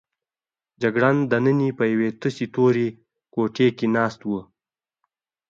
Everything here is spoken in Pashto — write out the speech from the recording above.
جګړن دننه په یوې تشې تورې کوټې کې ناست و.